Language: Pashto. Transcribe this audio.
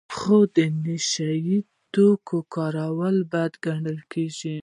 خو د نشه یي توکو کارول بد ګڼل کیږي.